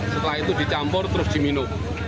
setelah itu dicampur terus diminum